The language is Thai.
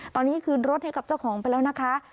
ตอนนี้คืนรถให้กับเจ้าของไปแล้วนะคะ